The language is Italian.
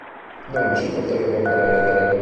Non ci potevo credere.